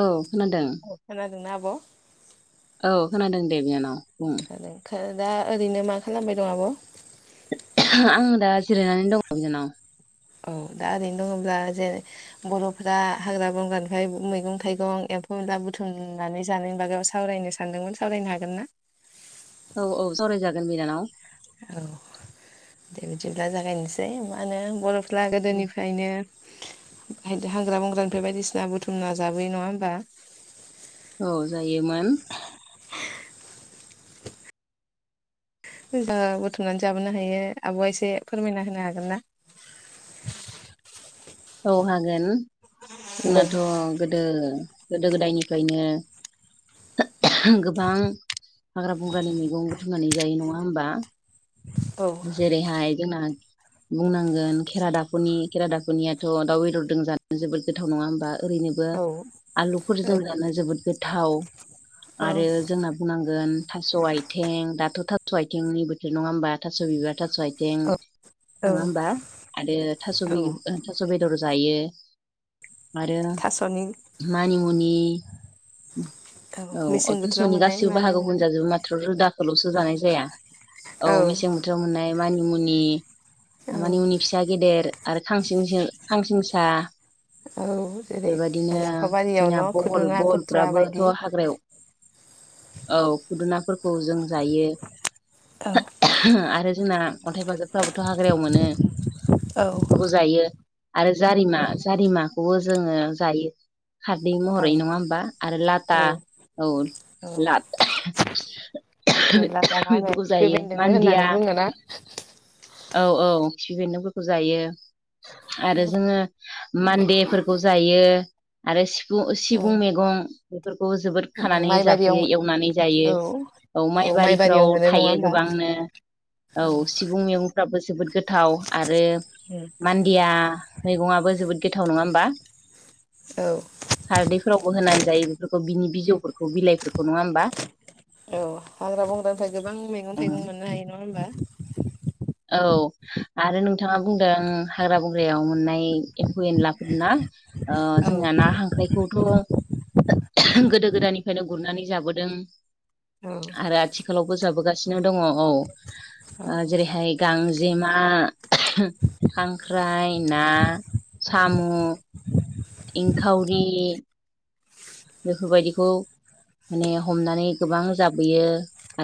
औ खोनादों औ खोनादोंना आब'? औ खोनादों दे बिनानाव बुं दा ओरैनो मा खालामबाय दं आब'? आं दा जिरायनानै दङ बिनानाव औ दा ओरैनो दङब्ला जे बर'फ्रा हाग्रा बंग्रानिफ्राय मैगं थाइगं एम्फौ एनला बुथुमनानै जानायनि बागायाव सावरायनो सानदोंमोन सावरायनो हागोन ना औ औ सावराय जागोन बिनानाव औ दे बिदिब्ला जागायनसै मा होनो बर'फ्रा गोदोनिफ्रायनो हाग्रा बंग्रानिफ्राय बायदिसिना बुथुमना जाबोयो नङा होमबा औ जायोमोन जबा बुथुमनानै जाबोनो हायो आब'आ एसे फोरमायना होनो हागोन ना? औ हागोन दे जोंनाथ' गोदो गोदो गोदायनिफ्रायनो गोबां हाग्रा बंग्रानि मैगं बुथुमनानै जायो नङा होमबा औ जेरैहाय जोंना बुंनांगोन खेरा दाफ'नि खेरा दाफ'नियाथ' दाउ बेदरदों जानो जोबोद गोथाव नङा होमबा ओरैनोबो औ आलुफोर जों दानो जोबोद गोथाव औ आरो जोंना बुंनांगोन थास' आइथें दाथ' थास' आथेंनि बोथोर नङा होमबा थास' बिबार थास' आइथें नङा होमबा आरो थास' औ बि ओ थास' बेदर जायो आरो थास'नि मानिमुनि औ अ मेसें बोथोराव थास'नि मोननाय गासिबो मानि बाहागो मोनो खौनो जाजोबो माथ्र' रोदा खो ल'सो जानाय जाया औ मेसें बोथोराव मोननाय मानिमुनि औ आ मानि मुनि फिसा गेदेर आरो खांसिंसिं खांसिं सा औ जेरै बेबादिनो लाफा बारियाव जोंनिआ न' बहल खुदुना खुथ्रा बायदि बहलफ्राबोथ' हाग्रायाव औ खुदुनाफोरखौ जों जायो औ [unintelligible] आरो जोंना अन्थाइ बाजाबफ्राबोथ' हाग्रायाव मोनो औ बिफोरखौ जायो आरो जारिमा जारिमाखौबो जोङो जायो खारदै औ महरै नङा होमबा आरो लाथा औ औ औ लाथ जेब्ला मा [unintelligible] होनो बेफोरखौ खिफि जायो बेन्दोंबो मान्दिया होननानै बुङोना औ-औ खिफि बेन्दोंफोरखौ जायो आरो जोङो मान्देफोरखौ जायो आरो सिफु औ सिबुं मेगं बेफोरखौबो जोबोद खानानै माइबारियाव जाफैयो एवनानै जायो औ औ माइबारियाव माइबारिफ्राव मोनो नङा थायो गो होमबा बांनो औ सिबुं मैगंफ्राबो जोबोद गोथाव आरो मान दिया मैगङाबो जोबोद गोथाव नङा होमबा औ खारदैफोरावबो होनानै जायो बेफोरखौ बिनि बिजौफोरखौ बिलाइफोरखौ नङा होमबा औ हाग्रा बंग्रानिफ्राय गोबां मेगं थाइगं मोननो हायो नङा होमबा औ आरो नोंथाङा बुंदों हाग्रा बंग्रायाव मोननाय एम्फौ एनलाफोर ना ओ औ जोंना ना हांख्रायखौथ' [unintelligible] गोदो गोदायनिफायनो गुरनानै जाबोदों औ आरो आथिखालावबो जाबोगासि नो दङ औ जेरैहाय गांजेमा खांख्राइ ना साम' इंखावरि बेफोरबायदिखौ माने हमनानै गोबां जाबोयो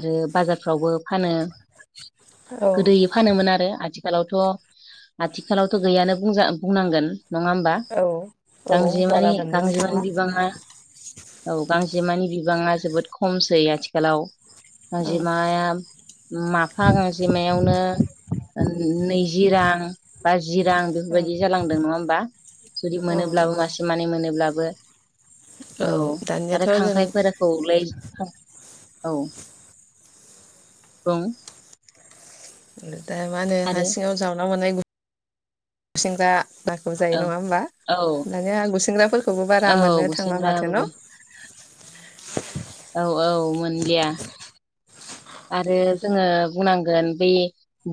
आरो बाजारफ्रावबो फानो औ औ गोदोयै फानोमोन आरो आथिखालावथ' आथिखालावथ' गैयानो बुंजा बुंनांगोन नङा होमबा औ औ बारा गांजेमानि मोननोनो गांजेमानि थांला बिबाङा औ गांजेमानि बिबाङा जोबोद खमसै आथिखालाव औ गांजेमाया माफा गांजेमायावनो ओ नैजि रां बाजि रां बेफोरबायदि जालांदों नङा होमबा जुदि औ मोनोब्लाबो नंगौ मासे मानै मोनोब्लाबो औ आरो दानियाथ' जों खांख्रायफोरा औलाय औ बुं होनो आरो हारसिङाव जावना मोननाय गुसेंग्रा नाखौ जायो औ नङा होमबा औ दानि आं गुसेंग्राफोरखौबो औ बारा मोननो थांला गुसेंग्रा माथो न' बोरबाय औ औ मोनलिया आरो जोङो बुंनांगोन बै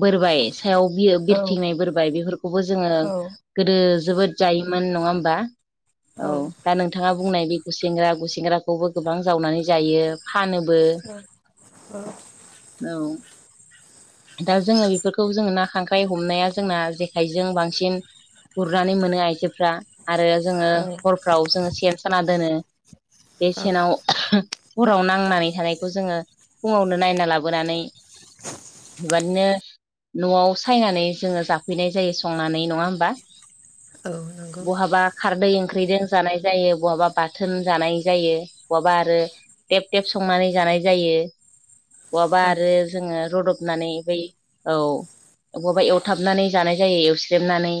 बोरबाय सायाव औ बिरथिंनाय बोरबाय बेफोरखौ खौबो जोङो औ गोदो जोबोद जायोमोन नङा होमबा औ दा नोंथाङा बुंनाय बे गुसेंग्रा गुसेंग्राखौबो गोबां जावनानै जायो फानोबो ओ औ दा जोङो बेफोरखौ जोङो ना खांख्राइ हमनाया जोंना जेखाइजों बांसिन गुरनानै मोनो आइजोफ्रा आरो जोङो औ हरफ्राव जोङो सेन साना दोनो औ बेसेनाव हराव नांनानै थानायखौ जोङो फुङावनो नायना लाबोनानै [unintelligible] न'आव सायनानै जोङो जाफैनाय जायो संनानै नङा होमबा औ औ बहाबा खारदै ओंख्रिजों जानाय जायो बहाबा बाथोन जानाय जायो। बहाबा आरो टेब टेब संनानै जानाय जायो। बहाबा औ आरो जोङो रदब [unintelligible] औ बबबा एवथाबनानै जानाय जायो एवस्रेबनानै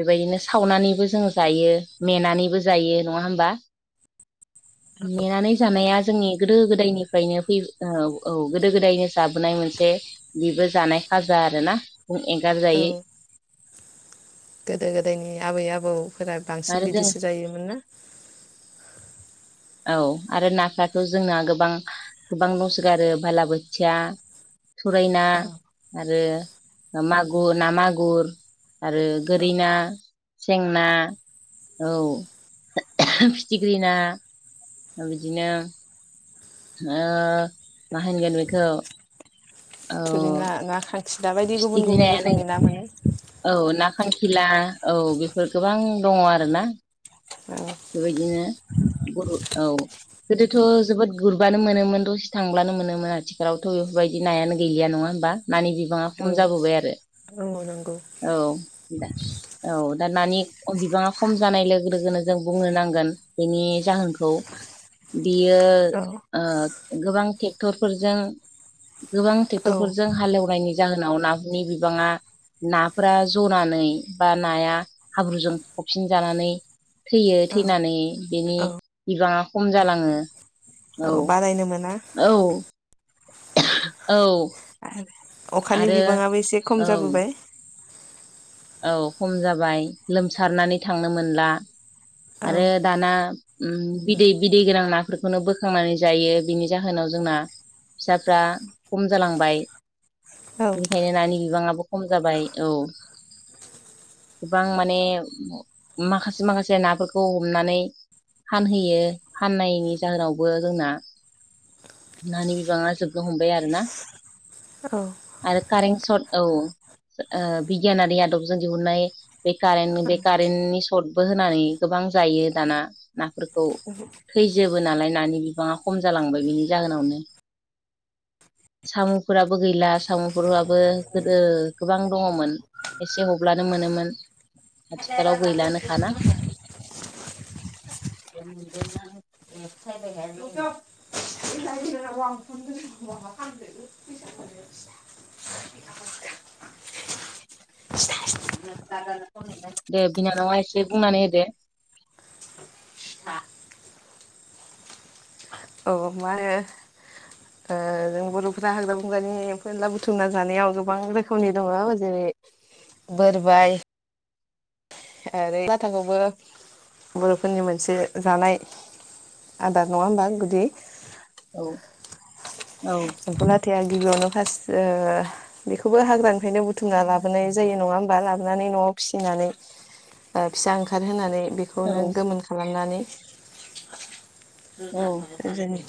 बेबायदिनो सावनानैबो जोंङ जायो मेनानैबो जायो नङा होमबा नेनानै जानाया जोंनि गोदो गोदायनिफ्रायनो फै औ औ गोदो गोदायनो जा बोनाय मोनसे बेबो जानाय खाजा आरोना औ एंगारजायै। गोदो गोदायनि आबै आबौफोरा बांसिन आरो जों बिदिसो जायोमोन ना। औ आरो नाफ्राथ जोंना गोबां गोबां न'स गारो बालाबोथिया थुरायना औ आरो मागुर ना मागुर आरो औ गोरिना सेंना औ फिथिख्रि ना बिदिनो मा होनगोन बेखौ औ थुरि ना ना खांखिलाा बायदि गुबुन फिथिख्रि गुबुन नायानो रोखोमनि ना मोनो औ ना खांखिला औ बेफोर गोबां दङ आरोना बेबायदिनो गु औ गोदोथ' जोबोद गुरबानो मोनोमोन दसे थांब्लानो मोनोमोन आथिखालावथ' बेफोरबायदि नायानो गैलिया नङा होमबा? नानि बिबाङा औ खम जाबोबाय आरो औ औ नंगौ औ दा औ दा नानि बिबाङा खम जानाय लोगो लोगोनो जों बुंनो नांगोन बेनि जाहोनखौ बियो औ गोबां ट्रेक्टरफोरजों गोबां औ ट्रेक्टरफोरजों हालेवनायनि जाहोनाव नानि बिबाङा नाफोरा जनानै बा नाया हाब्रुजों फबसिन जानानै थैयो थैनानै बेनि औ बिबाङा खम जालाङो औ बारायनो मोना औ औ आरो अखानि आरो बिबाङाबो एसे खम औ जाबोबाय औ खम जाबाय लोमसारनानै थांनो मोनला औ आरो दाना बिदै बिदै गोनां नाफोरखौनो बोखांनानै जायो बिनि जाहोनाव जोंना फिसाफ्रा खम जालांबाय औ बेनिखायनो नानि बिबाङा खम जाबाय औ गोबां माने माखासे माखासे नाफोरखौ हमनानै फानहैयो फाननायनि जाहोनावबो जोंना नानि बिबाङा जोबनो हमबाय आरो ना औ आरो कारेन्ट सर्ट औ बिगियानारि आदबजों दिहुनाय बे कारेन्ट बे कारेन्टनि सर्टबो होनानै गोबां जायो दाना नाफोरखौ थैजोबो नालाय नानि बिबाङा खम जालांबाय बिनि जाहोनावनो साम'फोराबो गैला साम'फोराबो गोदो गोबां दङमोन एसे हब्लानो मोनोमोन आथिखालाव गैलानोखाना बे ए थाय लगाय आरो [unintelligible] [unintelligible] [unintelligible] दे बिनानावा एसे बुंनानै होदो औ मा होनो ओ बर'फोरा हाग्रा बंग्रानि एम्फौ एनला बुथुमना जानायाव गोबां रोखोमनि दङ जेरै बोरबाय ओरै लाथाखौबो बर'फोरनि मोनसे जानाय आदार नङा होमबा गुदि औ औ एम्फौ लाथाया गिबियावनो फार्स्ट बेखौबो हाग्रानिफ्रायनो बुथुमना लाबोनाय जायो नङा हबा लाबोनानै न'आव फिसिनानै फिसा ओंखार होनानै बे खौनो गोमोन खालामनानै औ औ गोदोनि